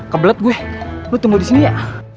kebelet gue lo tunggu disini ya